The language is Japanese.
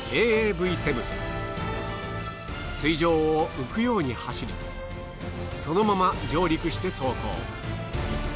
水上を浮くように走りそのまま上陸して走行。